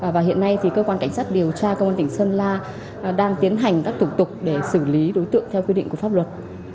và hiện nay thì cơ quan cảnh sát điều tra công an tỉnh sơn la đang tiến hành các thủ tục để xử lý đối tượng theo quy định của pháp luật